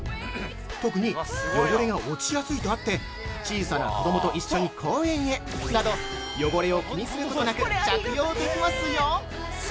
特に汚れが落ちやすいとあって、小さな子供と一緒に公園へなど汚れを気にすることなく着用できますよ。